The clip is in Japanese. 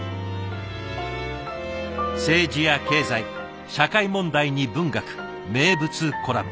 政治や経済社会問題に文学名物コラム。